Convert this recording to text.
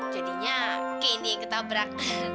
jadinya candy ketabrak